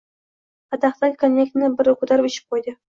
Qadahdagi konyakni bir ko‘tarib ichib qo‘ydi.